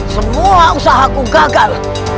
semua usaha aku gagal